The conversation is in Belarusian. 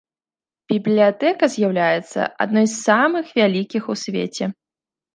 Бібліятэка з'яўляецца адной з самых вялікіх у свеце.